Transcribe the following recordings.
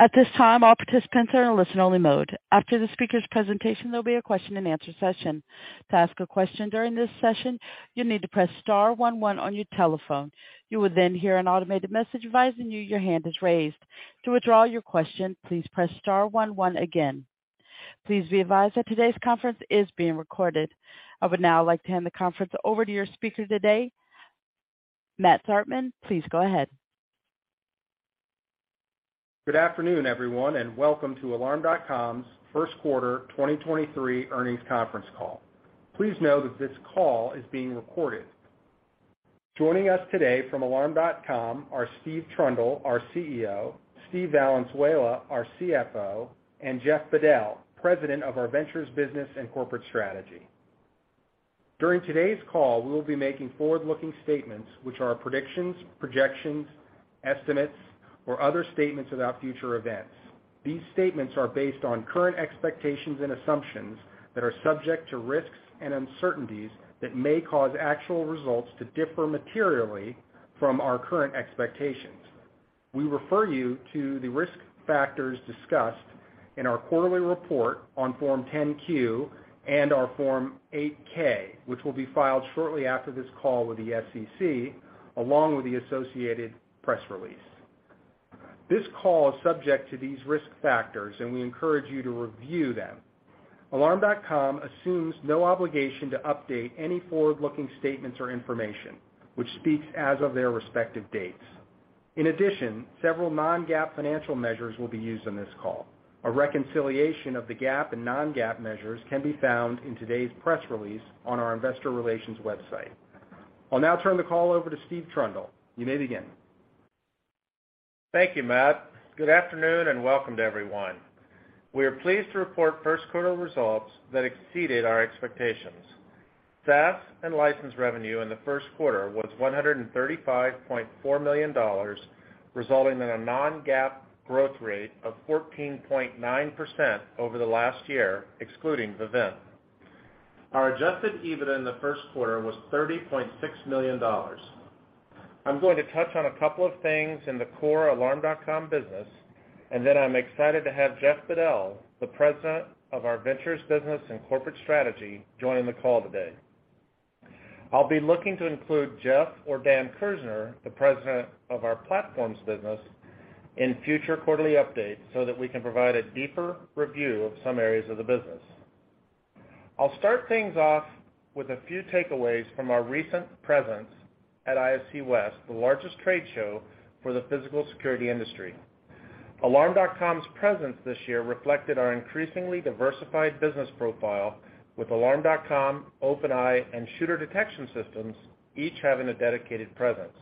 At this time, all participants are in a listen-only mode. After the speaker's presentation, there'll be a Q&A session. To ask a question during this session, you'll need to press star one one on your telephone. You will then hear an automated message advising you your hand is raised. To withdraw your question, please press star one one again. Please be advised that today's conference is being recorded. I would now like to hand the conference over to your speaker today, Matt Zartman. Please go ahead. Good afternoon, everyone, and welcome to Alarm.com's first quarter 2023 earnings conference call. Please know that this call is being recorded. Joining us today from Alarm.com are Steve Trundle, our CEO, Steve Valenzuela, our CFO, and Jeff Bedell, President of our Ventures Business and Corporate Strategy. During today's call, we will be making forward-looking statements, which are predictions, projections, estimates, or other statements about future events. These statements are based on current expectations and assumptions that are subject to risks and uncertainties that may cause actual results to differ materially from our current expectations. We refer you to the risk factors discussed in our quarterly report on Form 10-Q and our Form 8-K, which will be filed shortly after this call with the SEC, along with the associated press release. This call is subject to these risk factors. We encourage you to review them. Alarm.com assumes no obligation to update any forward-looking statements or information which speaks as of their respective dates. Several non-GAAP financial measures will be used on this call. A reconciliation of the GAAP and non-GAAP measures can be found in today's press release on our investor relations website. I'll now turn the call over to Steve Trundle. You may begin. Thank you, Matt. Good afternoon. Welcome to everyone. We are pleased to report first quarter results that exceeded our expectations. SaaS and license revenue in the first quarter was $135.4 million, resulting in a non-GAAP growth rate of 14.9% over the last year, excluding Vivint. Our adjusted EBITDA in the first quarter was $30.6 million. I'm going to touch on a couple of things in the core Alarm.com business. Then I'm excited to have Jeff Bedell, President of our Ventures Business and Corporate Strategy, joining the call today. I'll be looking to include Jeff or Dan Kerzner, President of our Platforms business, in future quarterly updates so that we can provide a deeper review of some areas of the business. I'll start things off with a few takeaways from our recent presence at ISC West, the largest trade show for the physical security industry. Alarm.com's presence this year reflected our increasingly diversified business profile with Alarm.com, OpenEye, and Shooter Detection Systems each having a dedicated presence.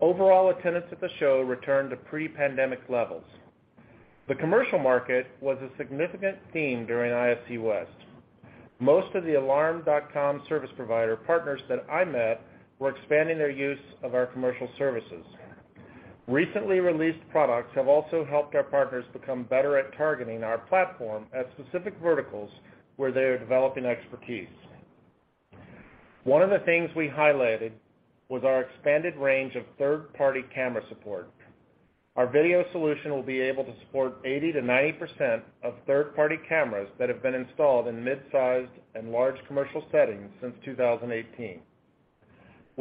Overall, attendance at the show returned to pre-pandemic levels. The commercial market was a significant theme during ISC West. Most of the Alarm.com service provider partners that I met were expanding their use of our commercial services. Recently released products have also helped our partners become better at targeting our platform at specific verticals where they are developing expertise. One of the things we highlighted was our expanded range of third-party camera support. Our video solution will be able to support 80%-90% of third-party cameras that have been installed in mid-sized and large commercial settings since 2018.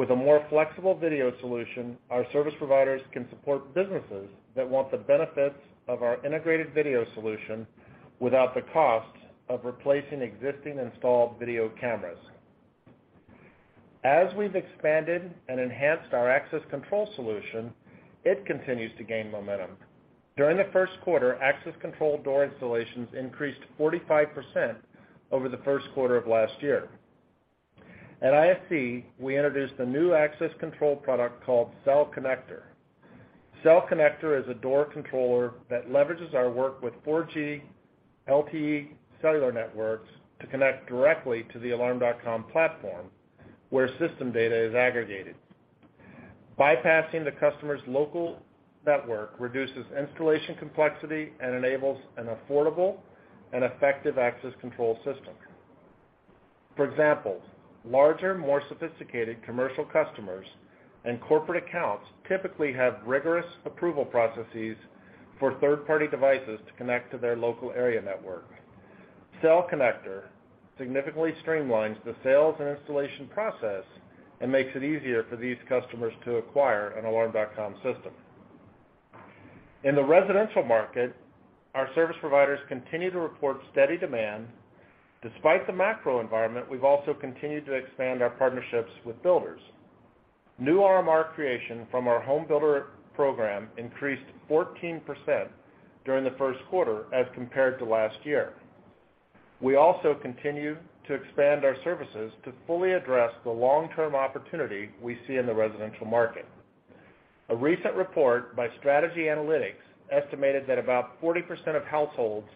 With a more flexible video solution, our service providers can support businesses that want the benefits of our integrated video solution without the cost of replacing existing installed video cameras. As we've expanded and enhanced our access control solution, it continues to gain momentum. During the first quarter, access control door installations increased 45% over the first quarter of last year. At ISC, we introduced a new access control product called Cell Connector. Cell Connector is a door controller that leverages our work with 4G LTE cellular networks to connect directly to the Alarm.com platform, where system data is aggregated. Bypassing the customer's local network reduces installation complexity and enables an affordable and effective access control system. For example, larger, more sophisticated commercial customers and corporate accounts typically have rigorous approval processes for third-party devices to connect to their local area network. Cell Connector significantly streamlines the sales and installation process and makes it easier for these customers to acquire an Alarm.com system. In the residential market, our service providers continue to report steady demand. Despite the macro environment, we've also continued to expand our partnerships with builders. New RMR creation from our home builder program increased 14% during the first quarter as compared to last year. We also continue to expand our services to fully address the long-term opportunity we see in the residential market. A recent report by Strategy Analytics estimated that about 40% of households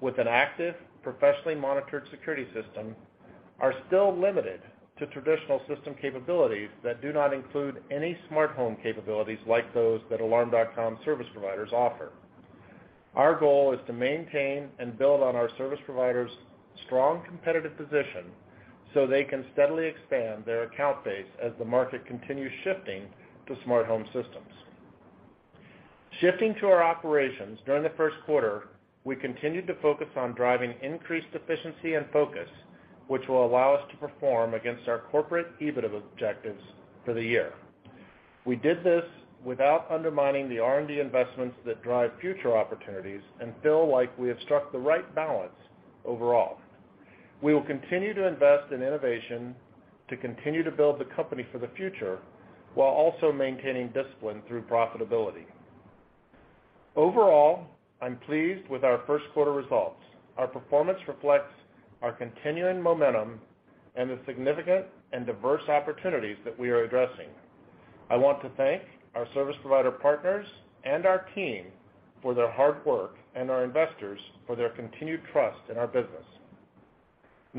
with an active, professionally monitored security system are still limited to traditional system capabilities that do not include any smartphone capabilities like those that Alarm.com service providers offer. Our goal is to maintain and build on our service providers' strong competitive position. They can steadily expand their account base as the market continues shifting to smart home systems. Shifting to our operations, during the first quarter, we continued to focus on driving increased efficiency and focus, which will allow us to perform against our corporate EBITDA objectives for the year. We did this without undermining the R&D investments that drive future opportunities and feel like we have struck the right balance overall. We will continue to invest in innovation to continue to build the company for the future while also maintaining discipline through profitability. Overall, I'm pleased with our first quarter results. Our performance reflects our continuing momentum and the significant and diverse opportunities that we are addressing. I want to thank our service provider partners and our team for their hard work and our investors for their continued trust in our business.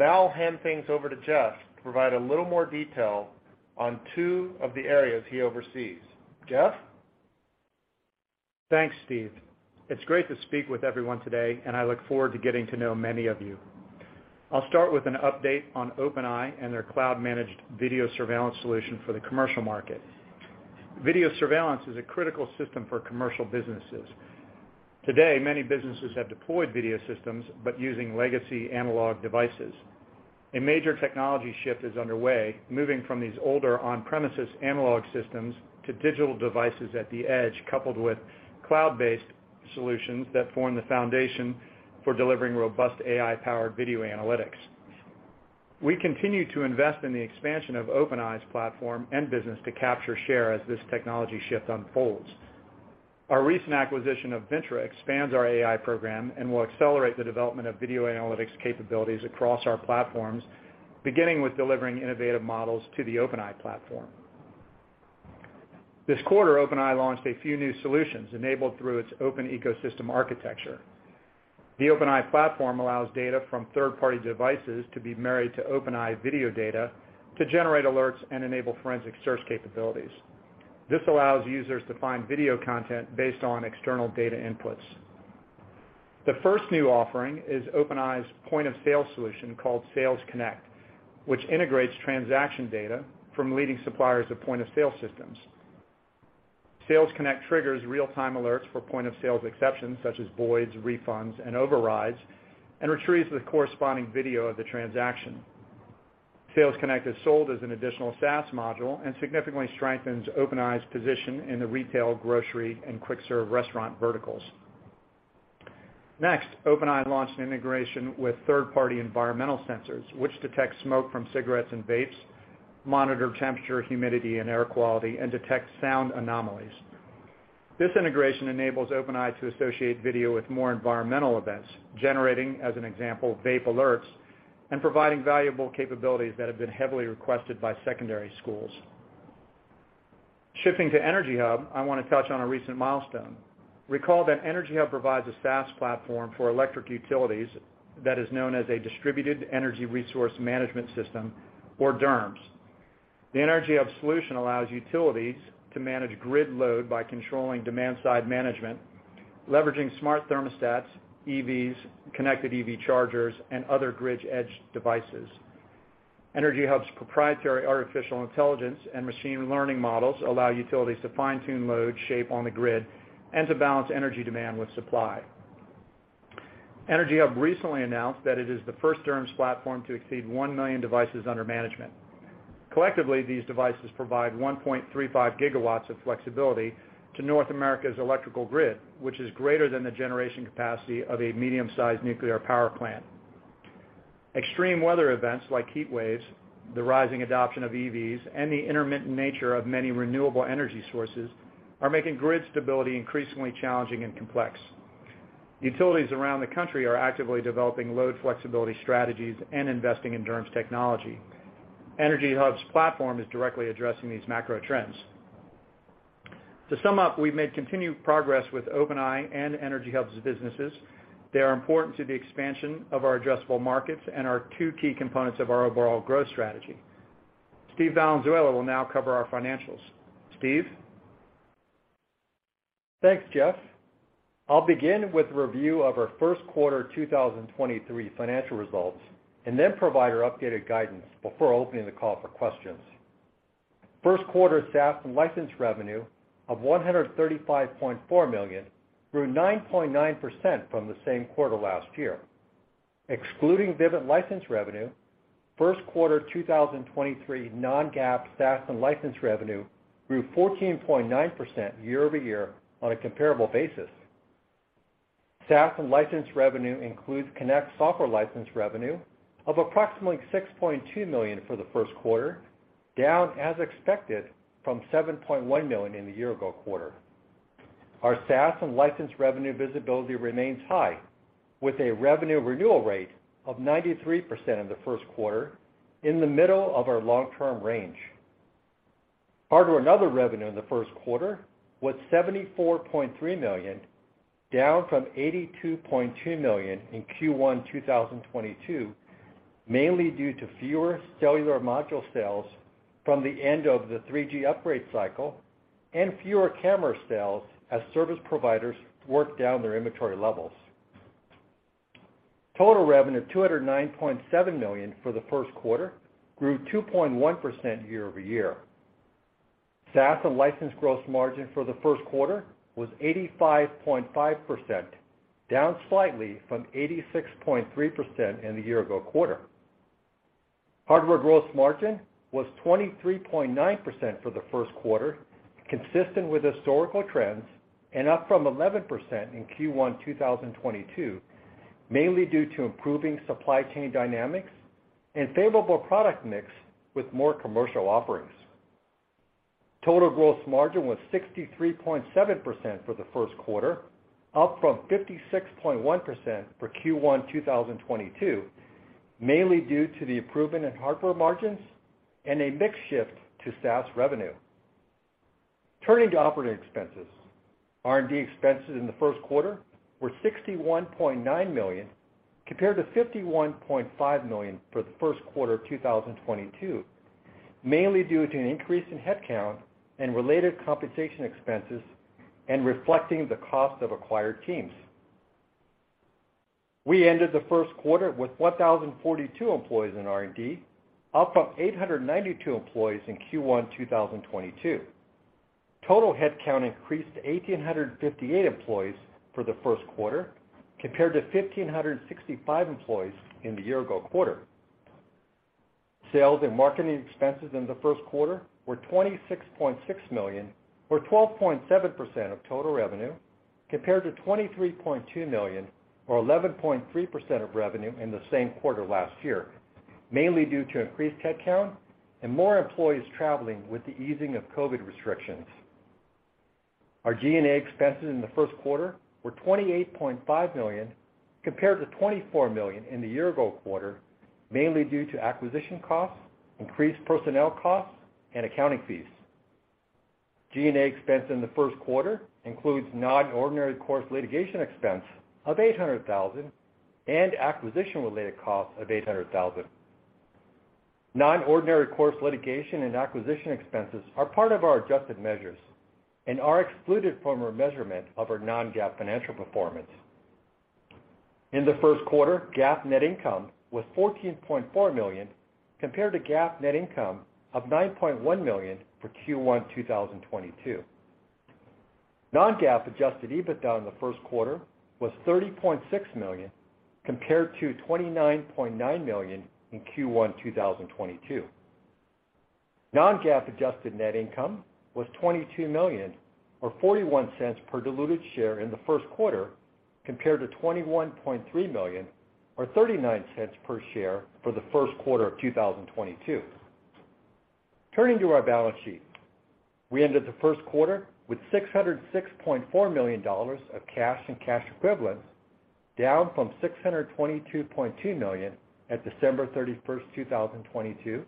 I'll hand things over to Jeff to provide a little more detail on two of the areas he oversees. Jeff? Thanks, Steve. It's great to speak with everyone today, and I look forward to getting to know many of you. I'll start with an update on OpenEye and their cloud-managed video surveillance solution for the commercial market. Video surveillance is a critical system for commercial businesses. Today, many businesses have deployed video systems, but using legacy analog devices. A major technology shift is underway, moving from these older on-premises analog systems to digital devices at the edge, coupled with cloud-based solutions that form the foundation for delivering robust AI-powered video analytics. We continue to invest in the expansion of OpenEye's platform and business to capture share as this technology shift unfolds. Our recent acquisition of Vintra expands our AI program and will accelerate the development of video analytics capabilities across our platforms, beginning with delivering innovative models to the OpenEye platform. This quarter, OpenEye launched a few new solutions enabled through its open ecosystem architecture. The OpenEye platform allows data from third-party devices to be married to OpenEye video data to generate alerts and enable forensic search capabilities. This allows users to find video content based on external data inputs. The first new offering is OpenEye's point of sale solution called Sales Connect, which integrates transaction data from leading suppliers of point of sale systems. Sales Connect triggers real-time alerts for point of sales exceptions, such as voids, refunds, and overrides, and retrieves the corresponding video of the transaction. Sales Connect is sold as an additional SaaS module and significantly strengthens OpenEye's position in the retail, grocery, and quick serve restaurant verticals. OpenEye launched an integration with third-party environmental sensors, which detect smoke from cigarettes and vapes, monitor temperature, humidity, and air quality, and detect sound anomalies. This integration enables OpenEye to associate video with more environmental events, generating, as an example, vape alerts and providing valuable capabilities that have been heavily requested by secondary schools. Shifting to EnergyHub, I wanna touch on a recent milestone. Recall that EnergyHub provides a SaaS platform for electric utilities that is known as a distributed energy resource management system, or DERMS. The EnergyHub solution allows utilities to manage grid load by controlling demand side management, leveraging smart thermostats, EVs, connected EV chargers, and other grid edge devices. EnergyHub's proprietary artificial intelligence and machine learning models allow utilities to fine-tune load shape on the grid and to balance energy demand with supply. EnergyHub recently announced that it is the first DERMS platform to exceed 1 million devices under management. Collectively, these devices provide 1.35 GW of flexibility to North America's electrical grid, which is greater than the generation capacity of a medium-sized nuclear power plant. Extreme weather events like heat waves, the rising adoption of EVs, and the intermittent nature of many renewable energy sources are making grid stability increasingly challenging and complex. Utilities around the country are actively developing load flexibility strategies and investing in DERMS technology. EnergyHub's platform is directly addressing these macro trends. To sum up, we've made continued progress with OpenEye and EnergyHub's businesses. They are important to the expansion of our addressable markets and are two key components of our overall growth strategy. Steve Valenzuela will now cover our financials. Steve? Thanks, Jeff. I'll begin with a review of our first quarter 2023 financial results and then provide our updated guidance before opening the call for questions. First quarter SaaS and license revenue of $135.4 million grew 9.9% from the same quarter last year. Excluding Vivint license revenue, first quarter 2023 non-GAAP SaaS and license revenue grew 14.9% year-over-year on a comparable basis. SaaS and license revenue includes Connect software license revenue of approximately $6.2 million for the first quarter, down as expected from $7.1 million in the year ago quarter. Our SaaS and license revenue visibility remains high with a revenue renewal rate of 93% in the first quarter in the middle of our long-term range. Hardware and other revenue in the first quarter was $74.3 million, down from $82.2 million in Q1 2022, mainly due to fewer cellular module sales from the end of the 3G upgrade cycle and fewer camera sales as service providers work down their inventory levels. Total revenue of $209.7 million for the first quarter grew 2.1% year-over-year. SaaS and license gross margin for the first quarter was 85.5%, down slightly from 86.3% in the year ago quarter. Hardware gross margin was 23.9% for the first quarter, consistent with historical trends and up from 11% in Q1 2022, mainly due to improving supply chain dynamics and favorable product mix with more commercial offerings. Total gross margin was 63.7% for the first quarter, up from 56.1% for Q1 2022, mainly due to the improvement in hardware margins and a mix shift to SaaS revenue. Turning to operating expenses. R&D expenses in the first quarter were $61.9 million compared to $51.5 million for the first quarter of 2022, mainly due to an increase in headcount and related compensation expenses and reflecting the cost of acquired teams. We ended the first quarter with 1,042 employees in R&D, up from 892 employees in Q1 2022. Total headcount increased to 1,858 employees for the first quarter compared to 1,565 employees in the year ago quarter. Sales and marketing expenses in the first quarter were $26.6 million or 12.7% of total revenue compared to $23.2 million or 11.3% of revenue in the same quarter last year, mainly due to increased headcount and more employees traveling with the easing of COVID restrictions. Our G&A expenses in the first quarter were $28.5 million compared to $24 million in the year ago quarter, mainly due to acquisition costs, increased personnel costs and accounting fees. G&A expense in the first quarter includes non-ordinary course litigation expense of $800,000 and acquisition-related costs of $800,000. Non-ordinary course litigation and acquisition expenses are part of our adjusted measures and are excluded from our measurement of our non-GAAP financial performance. In the first quarter, GAAP net income was $14.4 million compared to GAAP net income of $9.1 million for Q1 2022. Non-GAAP adjusted EBITDA in the first quarter was $30.6 million compared to $29.9 million in Q1 2022. Non-GAAP adjusted net income was $22 million or $0.41 per diluted share in the first quarter compared to $21.3 million or $0.39 per share for the first quarter of 2022. Turning to our balance sheet. We ended the first quarter with $606.4 million of cash and cash equivalents, down from $622.2 million at December 31st 2022,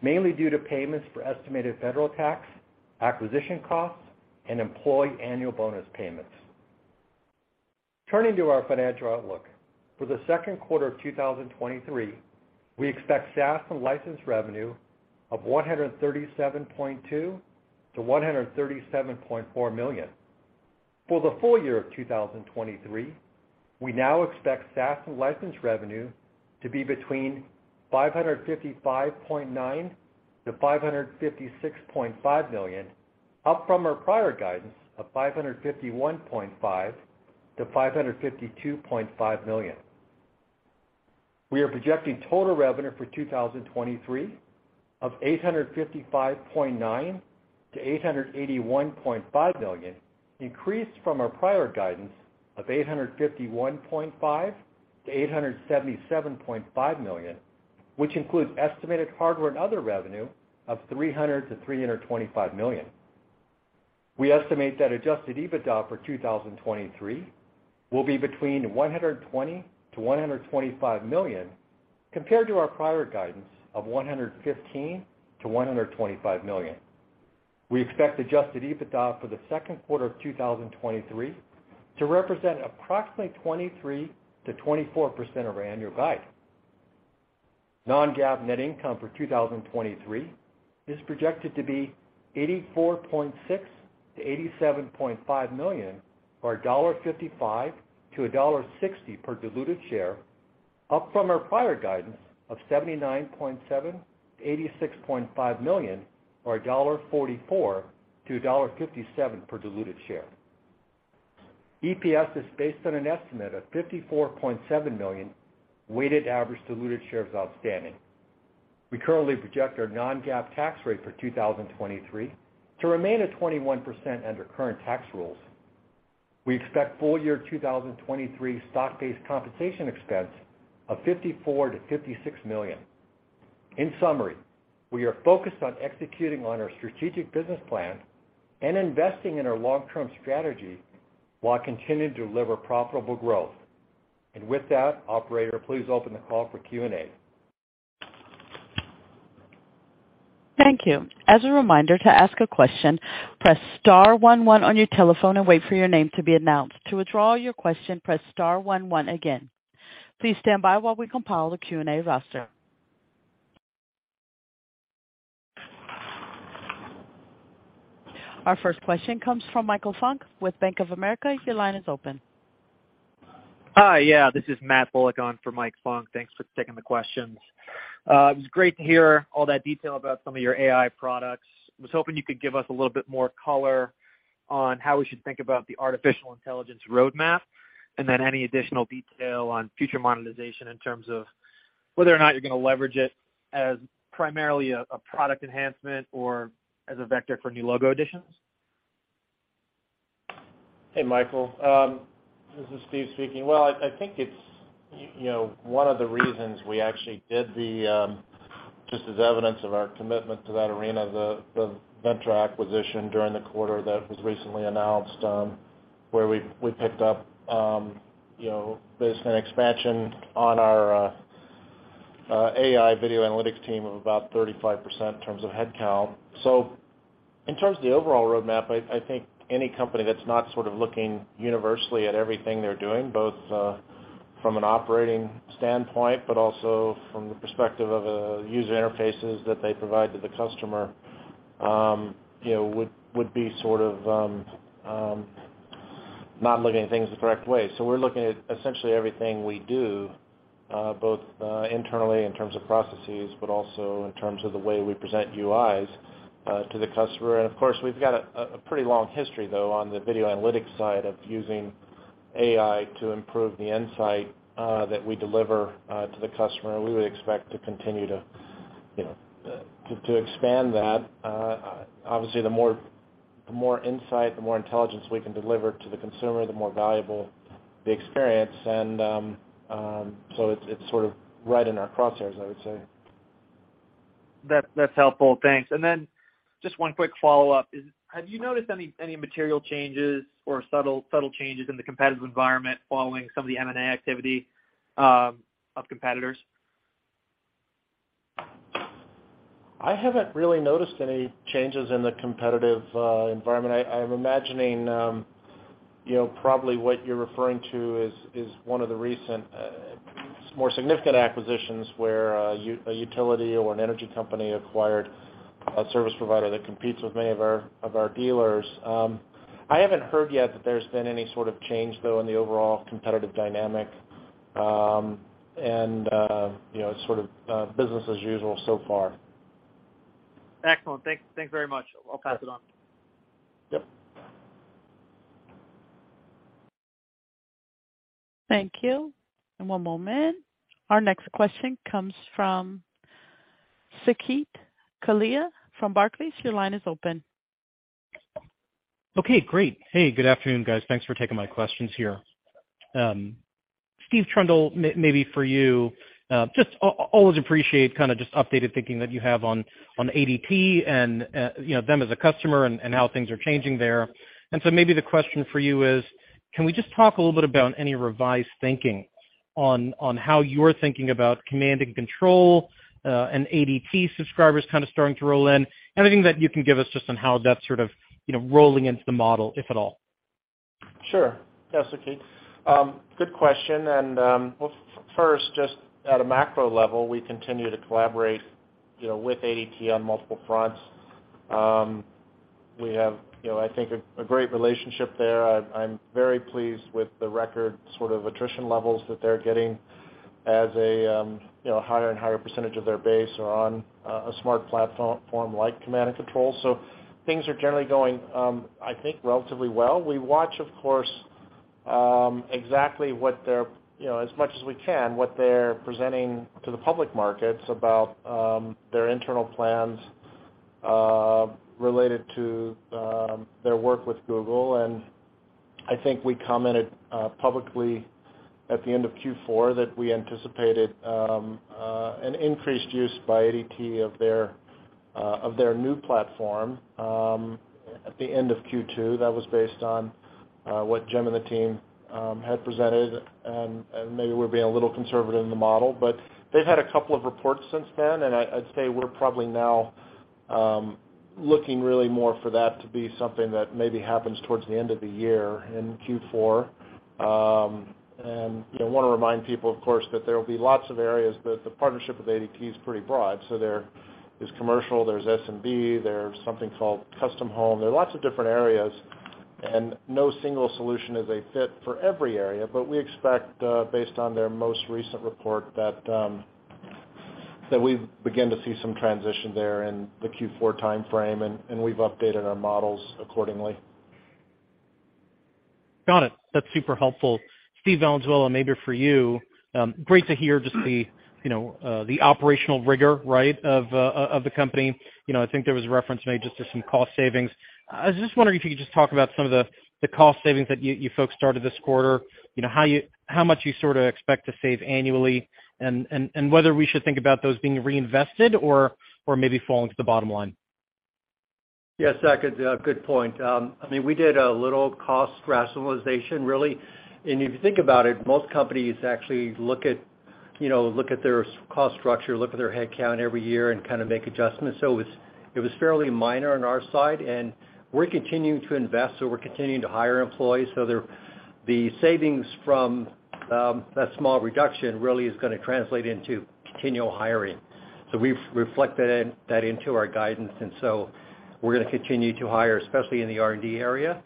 mainly due to payments for estimated federal tax, acquisition costs, and employee annual bonus payments. Turning to our financial outlook. For the second quarter of 2023, we expect SaaS and license revenue of $137.2 million-$137.4 million. For the full year of 2023, we now expect SaaS and license revenue to be between $555.9 million-$556.5 million, up from our prior guidance of $551.5 million-$552.5 million. We are projecting total revenue for 2023 of $855.9 million-$881.5 million, increased from our prior guidance of $851.5 million-$877.5 million, which includes estimated hardware and other revenue of $300 million-$325 million. We estimate that adjusted EBITDA for 2023 will be between $120 million-$125 million compared to our prior guidance of $115 million-$125 million. We expect adjusted EBITDA for the second quarter of 2023 to represent approximately 23%-24% of our annual guide. Non-GAAP net income for 2023 is projected to be $84.6 million-$87.5 million or $1.55-$1.60 per diluted share, up from our prior guidance of $79.7 million-$86.5 million or $1.44-$1.57 per diluted share. EPS is based on an estimate of 54.7 million weighted average diluted shares outstanding. We currently project our non-GAAP tax rate for 2023 to remain at 21% under current tax rules. We expect full year 2023 stock-based compensation expense of $54 million-$56 million. In summary, we are focused on executing on our strategic business plan and investing in our long-term strategy while continuing to deliver profitable growth. With that, operator, please open the call for Q&A. Thank you. As a reminder, to ask a question, press star one one on your telephone and wait for your name to be announced. To withdraw your question, press star one one again. Please stand by while we compile the Q&A roster. Our first question comes from Michael Funk with Bank of America. Your line is open. Hi. Yeah, this is Matt Bullock for Mike Funk. Thanks for taking the questions. It was great to hear all that detail about some of your AI products. I was hoping you could give us a little bit more color on how we should think about the artificial intelligence roadmap, and then any additional detail on future monetization in terms of whether or not you're gonna leverage it as primarily a product enhancement or as a vector for new logo additions. Hey, Michael, this is Steve speaking. Well, I think it's, you know, one of the reasons we actually did the, just as evidence of our commitment to that arena, the Vintra acquisition during the quarter that was recently announced, where we picked up, you know, there's an expansion on our AI video analytics team of about 35% in terms of headcount. In terms of the overall roadmap, I think any company that's not sort of looking universally at everything they're doing, both from an operating standpoint, but also from the perspective of user interfaces that they provide to the customer, you know, would be sort of not looking at things the correct way. We're looking at essentially everything we do, both internally in terms of processes, but also in terms of the way we present UIs to the customer. Of course, we've got a pretty long history though on the video analytics side of using AI to improve the insight that we deliver to the customer. We would expect to continue, you know, to expand that. Obviously the more insight, the more intelligence we can deliver to the consumer, the more valuable the experience. It's sort of right in our crosshairs, I would say. That's helpful. Thanks. Then just one quick follow-up is, have you noticed any material changes or subtle changes in the competitive environment following some of the M&A activity of competitors? I haven't really noticed any changes in the competitive environment. I'm imagining, you know, probably what you're referring to is one of the recent more significant acquisitions where a utility or an energy company acquired a service provider that competes with many of our dealers. I haven't heard yet that there's been any sort of change though in the overall competitive dynamic. You know, sort of business as usual so far. Excellent. Thanks. Thanks very much. I'll pass it on. Yep. Thank you. One moment. Our next question comes from Saket Kalia from Barclays. Your line is open. Okay, great. Hey, good afternoon, guys. Thanks for taking my questions here. Steve Trundle, maybe for you, just always appreciate kinda just updated thinking that you have on ADT and, you know, them as a customer and how things are changing there. Maybe the question for you is, can we just talk a little bit about any revised thinking on how you're thinking about command and control, and ADT subscribers kinda starting to roll in? Anything that you can give us just on how that's sort of, you know, rolling into the model, if at all? Sure. Yeah, Saket. Good question. Well, first, just at a macro level, we continue to collaborate, you know, with ADT on multiple fronts. We have, you know, I think a great relationship there. I'm very pleased with the record sort of attrition levels that they're getting as a, you know, higher and higher percentage of their base are on a smart platform, like command and control. Things are generally going, I think, relatively well. We watch, of course, exactly what they're, you know, as much as we can, what they're presenting to the public markets about their internal plans related to their work with Google. I think we commented publicly at the end of Q4 that we anticipated an increased use by ADT of their of their new platform at the end of Q2. That was based on what Jim and the team had presented and maybe we're being a little conservative in the model. They've had a couple of reports since then, and I'd say we're probably now looking really more for that to be something that maybe happens towards the end of the year in Q4. You know, wanna remind people of course, that there will be lots of areas that the partnership with ADT is pretty broad. There is commercial, there's SMB, there's something called custom home. There are lots of different areas, and no single solution is a fit for every area. We expect, based on their most recent report that, we begin to see some transition there in the Q4 timeframe, and we've updated our models accordingly. Got it. That's super helpful. Steve Valenzuela, maybe for you, great to hear just the, you know, the operational rigor, right, of the company. You know, I think there was reference made just to some cost savings. I was just wondering if you could just talk about some of the cost savings that you folks started this quarter. You know, how much you sorta expect to save annually, and whether we should think about those being reinvested or maybe falling to the bottom line. Yes, Saket, good point. I mean, we did a little cost rationalization really. If you think about it, most companies actually look at, you know, look at their cost structure, look at their headcount every year and kinda make adjustments. It was fairly minor on our side. We're continuing to invest, so we're continuing to hire employees. The savings from That small reduction really is gonna translate into continual hiring. We've reflected that into our guidance, we're gonna continue to hire, especially in the R&D area.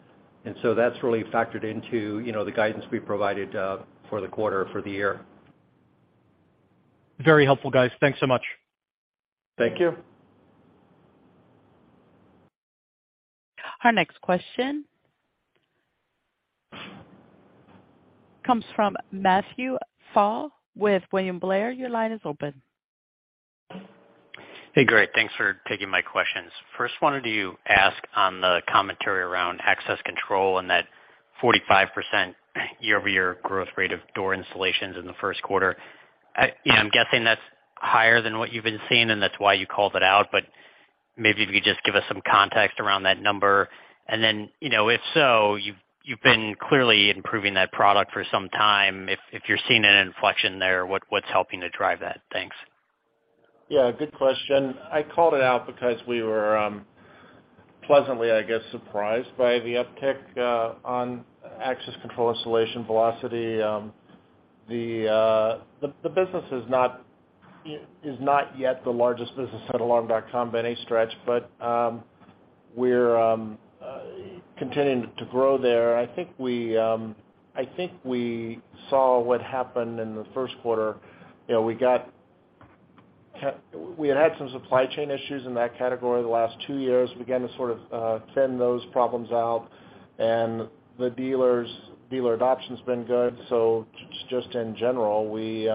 That's really factored into, you know, the guidance we provided for the quarter, for the year. Very helpful, guys. Thanks so much. Thank you. Our next question comes from Matthew Pfau with William Blair. Your line is open. Great. Thanks for taking my questions. First, wanted to ask on the commentary around access control and that 45% year-over-year growth rate of door installations in the first quarter. I, you know, I'm guessing that's higher than what you've been seeing, and that's why you called it out. Maybe if you could just give us some context around that number. Then, you know, if so, you've been clearly improving that product for some time. If you're seeing an inflection there, what's helping to drive that? Thanks. Yeah, good question. I called it out because we were pleasantly, I guess, surprised by the uptick on access control installation velocity. The business is not yet the largest business at Alarm.com by any stretch, but we're continuing to grow there. I think we, I think we saw what happened in the first quarter. You know, we had had some supply chain issues in that category the last two years. Began to sort of thin those problems out, and the dealers, dealer adoption's been good. Just in general, we, you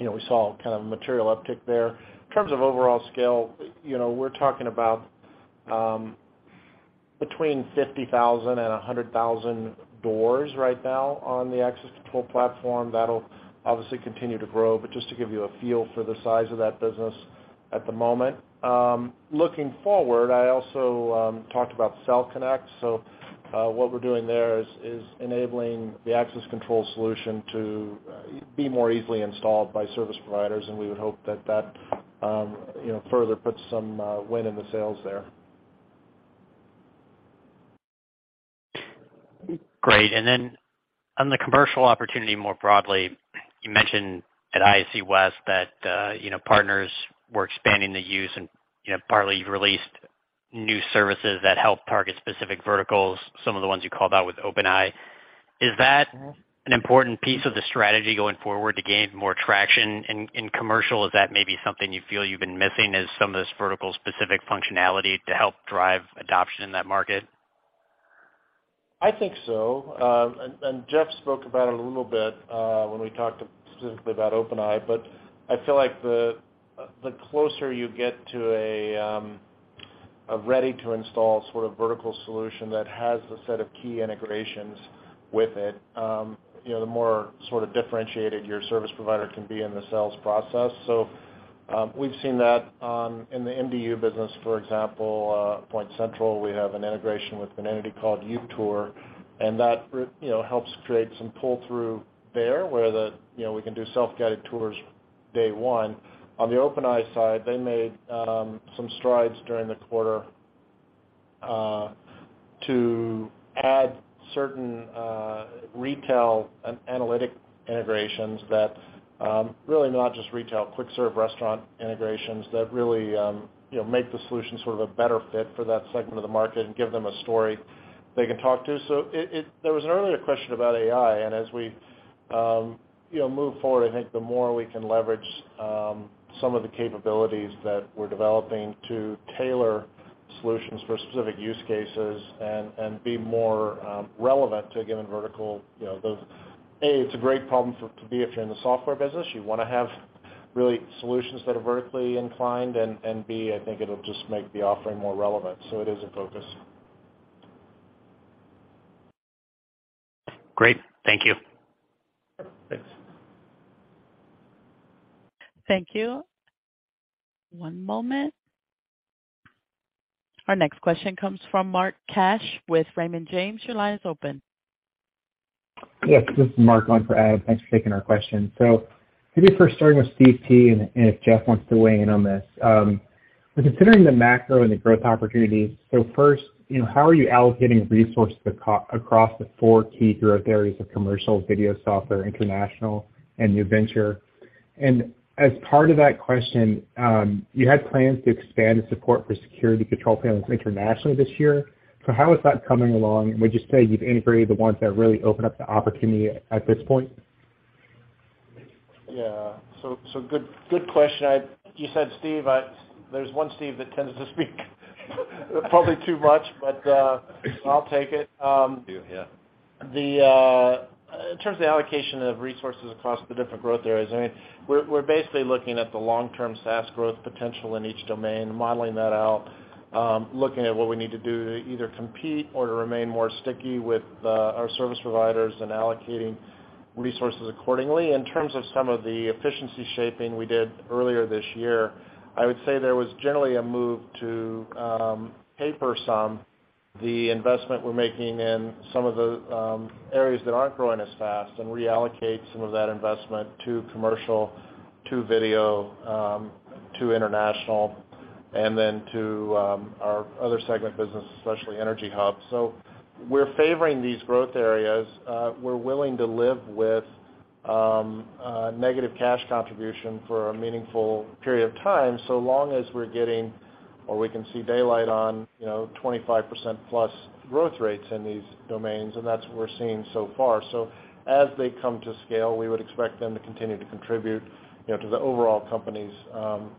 know, we saw kind of a material uptick there. In terms of overall scale, you know, we're talking about between 50,000 and 100,000 doors right now on the access control platform. That'll obviously continue to grow, but just to give you a feel for the size of that business at the moment. Looking forward, I also talked about CellConnect. What we're doing there is enabling the access control solution to be more easily installed by service providers, and we would hope that that, you know, further puts some wind in the sails there. Great. On the commercial opportunity more broadly, you mentioned at ISC West that, you know, partners were expanding the use and, you know, partly you've released new services that help target specific verticals, some of the ones you called out with OpenEye. Is that an important piece of the strategy going forward to gain more traction in commercial? Is that maybe something you feel you've been missing is some of this vertical specific functionality to help drive adoption in that market? I think so. Jeff spoke about it a little bit, when we talked specifically about OpenEye, but I feel like the closer you get to a ready-to-install sort of vertical solution that has a set of key integrations with it, you know, the more sort of differentiated your service provider can be in the sales process. We've seen that, in the MDU business, for example, PointCentral, we have an integration with an entity called UTour, that, you know, helps create some pull-through there where the, you know, we can do self-guided tours day one. On the OpenEye side, they made some strides during the quarter to add certain retail analytic integrations that, really not just retail, quick serve restaurant integrations that really, you know, make the solution sort of a better fit for that segment of the market and give them a story they can talk to. There was an earlier question about AI, and as we, you know, move forward, I think the more we can leverage some of the capabilities that we're developing to tailor solutions for specific use cases and be more relevant to a given vertical, you know, those... A, it's a great problem to be if you're in the software business. You wanna have really solutions that are vertically inclined, and B, I think it'll just make the offering more relevant. It is a focus. Great. Thank you. Thanks. Thank you. One moment. Our next question comes from Mark Cash with Raymond James. Your line is open. Yes, this is Mark on for Adam. Thanks for taking our question. Maybe first starting with Steve T, and if Jeff wants to weigh in on this. Considering the macro and the growth opportunities, first, you know, how are you allocating resources across the four key growth areas of commercial video software, international, and new venture? As part of that question, you had plans to expand support for security control panels internationally this year. How is that coming along? Would you say you've integrated the ones that really open up the opportunity at this point? Yeah. Good question. I... You said Steve. There's one Steve that tends to speak probably too much, but, I'll take it. You, yeah. The in terms of the allocation of resources across the different growth areas, I mean, we're basically looking at the long-term SaaS growth potential in each domain, modeling that out, looking at what we need to do to either compete or to remain more sticky with our service providers and allocating resources accordingly. In terms of some of the efficiency shaping we did earlier this year, I would say there was generally a move to paper some, the investment we're making in some of the areas that aren't growing as fast and reallocate some of that investment to commercial, to video, to international. Then to our other segment business, especially EnergyHub. We're favoring these growth areas. We're willing to live with negative cash contribution for a meaningful period of time, so long as we're getting or we can see daylight on, you know, 25% plus growth rates in these domains, and that's what we're seeing so far. As they come to scale, we would expect them to continue to contribute, you know, to the overall company's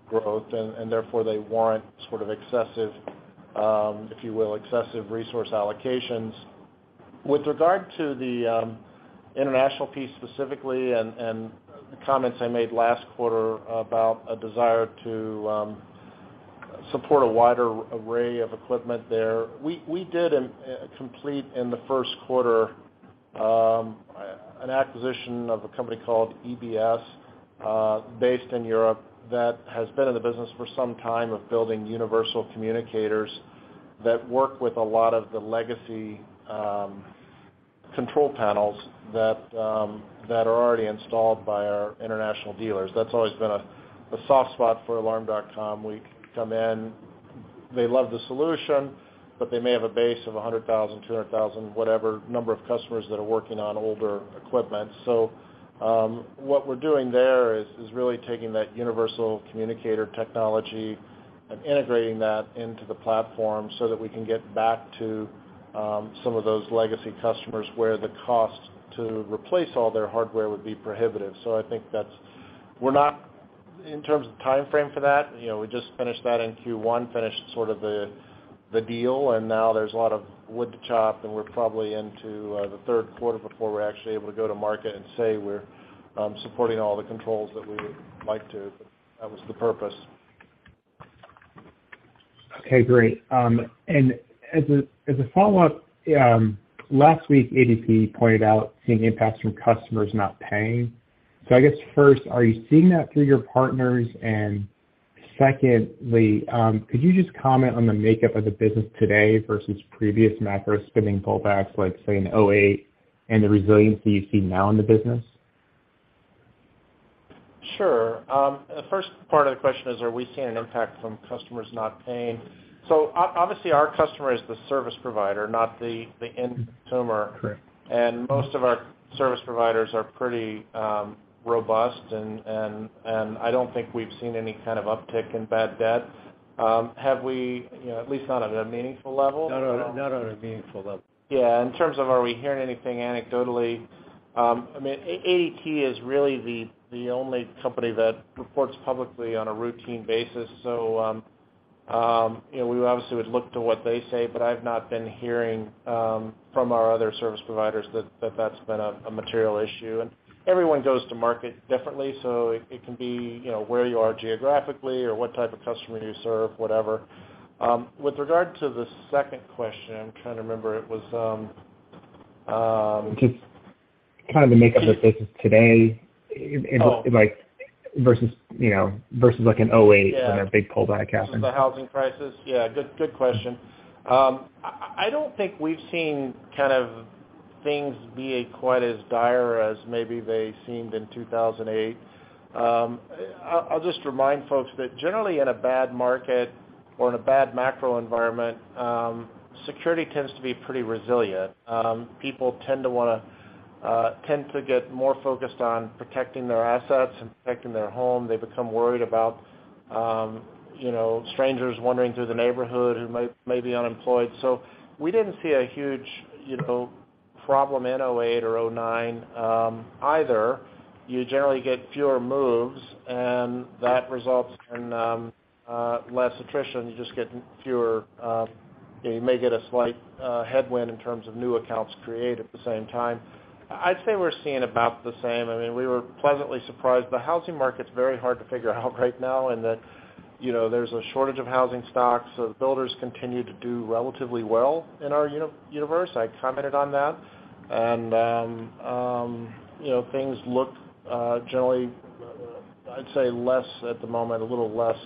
growth, and therefore, they warrant sort of excessive, if you will, excessive resource allocations. With regard to the international piece specifically and the comments I made last quarter about a desire to support a wider array of equipment there, we did complete in the first quarter an acquisition of a company called EBS based in Europe that has been in the business for some time of building universal communicators that work with a lot of the legacy control panels that are already installed by our international dealers. That's always been a soft spot for Alarm.com. We come in, they love the solution, they may have a base of 100,000, 200,000, whatever number of customers that are working on older equipment. What we're doing there is really taking that universal communicator technology and integrating that into the platform so that we can get back to some of those legacy customers where the cost to replace all their hardware would be prohibitive. We're not in terms of timeframe for that. You know, we just finished that in Q1, finished sort of the deal, and now there's a lot of wood to chop, and we're probably into the third quarter before we're actually able to go to market and say we're supporting all the controls that we would like to. That was the purpose. Okay, great. As a, as a follow-up, last week, ADT pointed out seeing impacts from customers not paying. I guess first, are you seeing that through your partners? Secondly, could you just comment on the makeup of the business today versus previous macro spending pullbacks like, say, in 2008 and the resiliency you see now in the business? Sure. The first part of the question is, are we seeing an impact from customers not paying? Obviously, our customer is the service provider, not the end consumer. Correct. Most of our service providers are pretty robust and I don't think we've seen any kind of uptick in bad debt. Have we, you know, at least not at a meaningful level? Not on, not on a meaningful level. Yeah. In terms of are we hearing anything anecdotally, I mean, ADT is really the only company that reports publicly on a routine basis. You know, we obviously would look to what they say, but I've not been hearing from our other service providers that that's been a material issue. Everyone goes to market differently, so it can be, you know, where you are geographically or what type of customer you serve, whatever. With regard to the second question, I'm trying to remember it was. Just kind of the makeup of the business today in like- Oh. versus, you know, versus like in 2008. Yeah. when a big pullback happened. Versus the housing crisis. Yeah. Good, good question. I don't think we've seen kind of things be quite as dire as maybe they seemed in 2008. I'll just remind folks that generally in a bad market or in a bad macro environment, security tends to be pretty resilient. People tend to wanna tend to get more focused on protecting their assets and protecting their home. They become worried about, you know, strangers wandering through the neighborhood who may be unemployed. We didn't see a huge, you know, problem in 2008 or 2009 either. You generally get fewer moves and that results in less attrition. You just get fewer, you may get a slight headwind in terms of new accounts created at the same time. I'd say we're seeing about the same. I mean, we were pleasantly surprised. The housing market's very hard to figure out right now in that, you know, there's a shortage of housing stock, so the builders continue to do relatively well in our uni-universe. I commented on that. You know, things look generally, I'd say less at the moment, a little less,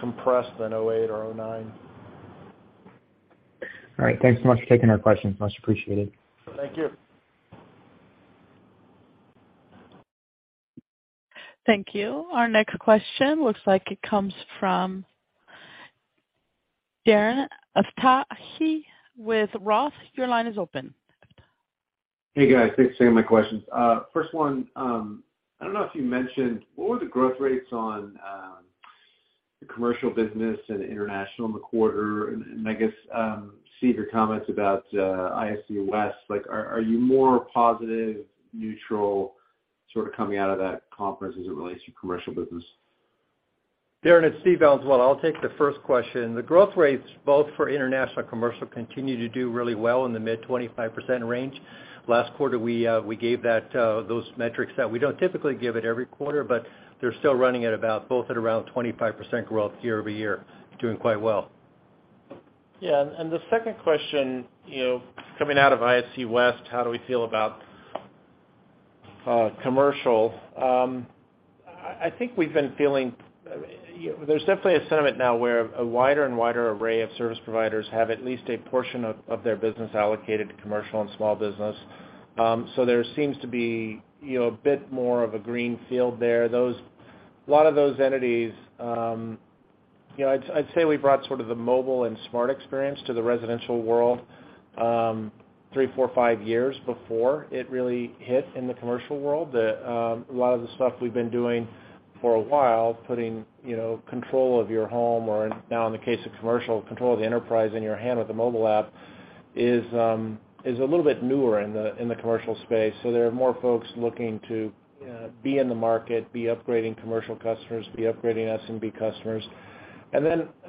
compressed than 2008 or 2009. All right. Thanks so much for taking our questions. Much appreciated. Thank you. Thank you. Our next question looks like it comes from Darren Aftahi with ROTH. Your line is open. Hey, guys. Thanks for taking my questions. First one, I don't know if you mentioned, what were the growth rates on the commercial business and international in the quarter? I guess, Steve, your comments about ISC West, like, are you more positive, neutral, sort of coming out of that conference as it relates to commercial business? Darren, it's Steve Valenzuela. I'll take the first question. The growth rates both for international and commercial continue to do really well in the mid-25% range. Last quarter, we gave that those metrics that we don't typically give it every quarter, but they're still running at about both at around 25% growth year-over-year, doing quite well. Yeah. The second question, you know, coming out of ISC West, how do we feel about commercial? I think we've been feeling, you know, there's definitely a sentiment now where a wider and wider array of service providers have at least a portion of their business allocated to commercial and small business. There seems to be, you know, a bit more of a green field there. A lot of those entities, You know, I'd say we brought sort of the mobile and smart experience to the residential world, three, four, five years before it really hit in the commercial world. A lot of the stuff we've been doing for a while, putting, you know, control of your home or now in the case of commercial, control of the enterprise in your hand with the mobile app is a little bit newer in the commercial space. There are more folks looking to be in the market, be upgrading commercial customers, be upgrading SMB customers. You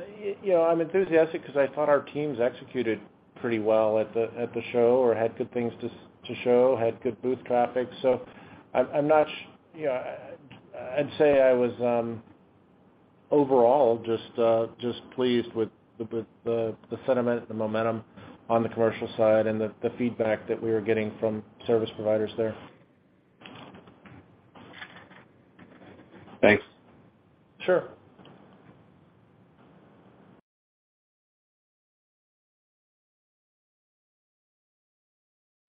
know, I'm enthusiastic 'cause I thought our teams executed pretty well at the show or had good things to show, had good booth traffic. I'm not you know, I'd say I was overall just pleased with the sentiment, the momentum on the commercial side and the feedback that we were getting from service providers there. Thanks. Sure.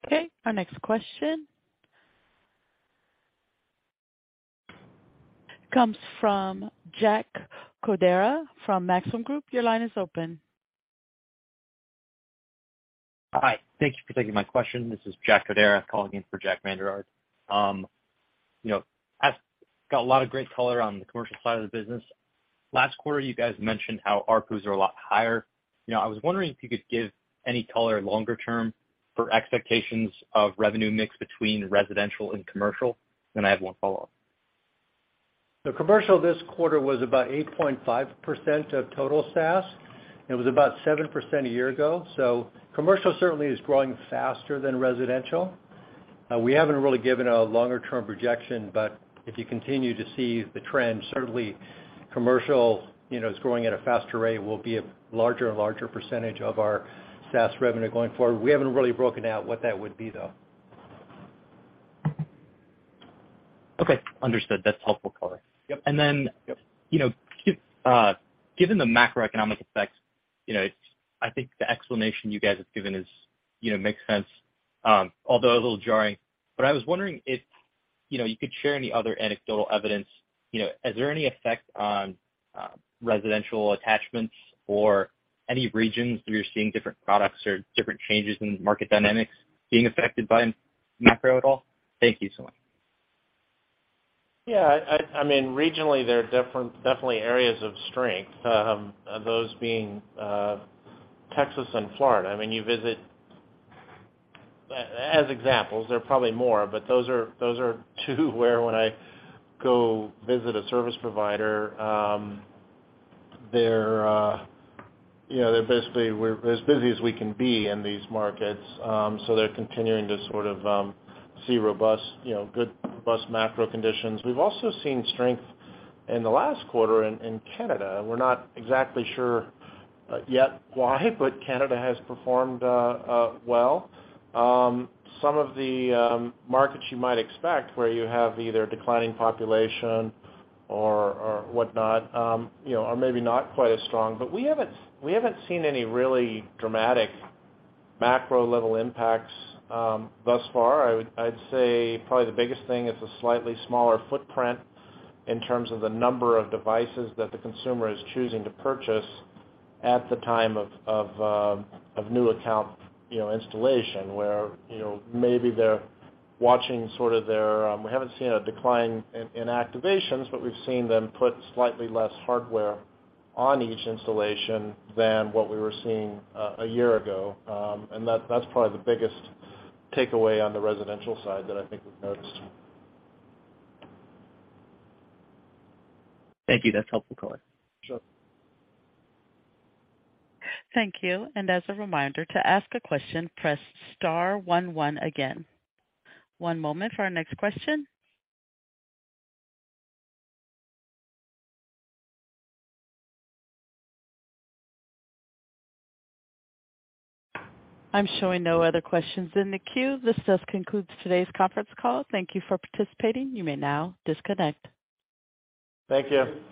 Okay, our next question comes from Jack Codera from Maxim Group. Your line is open. Hi. Thank you for taking my question. This is Jack Codera calling in for Jack Vander Aarde. You know, as got a lot of great color on the commercial side of the business. Last quarter, you guys mentioned how ARPUs are a lot higher. You know, I was wondering if you could give any color longer term for expectations of revenue mix between residential and commercial. I have one follow-up. The commercial this quarter was about 8.5% of total SaaS, and it was about 7% a year ago. Commercial certainly is growing faster than residential. We haven't really given a longer term projection, but if you continue to see the trend, certainly commercial, you know, is growing at a faster rate, will be a larger and larger percentage of our SaaS revenue going forward. We haven't really broken out what that would be, though. Okay. Understood. That's helpful color. Yep. And then- Yep. You know, given the macroeconomic effects, you know, I think the explanation you guys have given is, you know, makes sense, although a little jarring. I was wondering if, you know, you could share any other anecdotal evidence? You know, is there any effect on residential attachments or any regions where you're seeing different products or different changes in market dynamics being affected by macro at all? Thank you so much. Yeah, I mean, regionally, there are different, definitely areas of strength, those being, Texas and Florida. I mean, you visit... As examples, there are probably more, but those are, those are two where when I go visit a service provider, they're, you know, they're basically we're as busy as we can be in these markets. So they're continuing to sort of, see robust, you know, good, robust macro conditions. We've also seen strength in the last quarter in Canada. We're not exactly sure yet why, but Canada has performed well. Some of the markets you might expect where you have either declining population or whatnot, you know, are maybe not quite as strong. We haven't seen any really dramatic macro level impacts thus far. I'd say probably the biggest thing is a slightly smaller footprint in terms of the number of devices that the consumer is choosing to purchase at the time of new account, you know, installation, where, you know, maybe they're watching sort of their... We haven't seen a decline in activations, but we've seen them put slightly less hardware on each installation than what we were seeing a year ago. That's probably the biggest takeaway on the residential side that I think we've noticed. Thank you. That's helpful color. Sure. Thank you. As a reminder, to ask a question, press star one one again. One moment for our next question. I'm showing no other questions in the queue. This does conclude today's conference call. Thank you for participating. You may now disconnect. Thank you.